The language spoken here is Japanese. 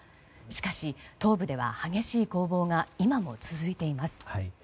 しかし、東部では激しい攻防が今も続いています。